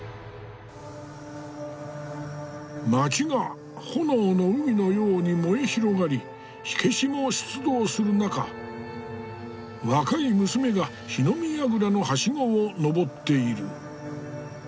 町が炎の海のように燃え広がり火消しも出動する中若い娘が火の見やぐらのはしごをのぼっている。